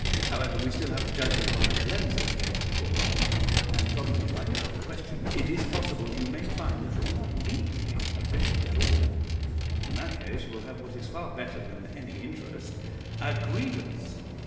However, we shall have the judgment on the Colenso case before long, and, from the little I know of the question, it is possible you may find that you are not legally a bishop at all. In that case you will have what is far better than any interest a grievance.